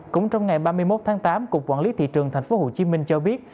cũng trong ngày ba mươi một tháng tám cục quản lý thị trường tp hcm cho biết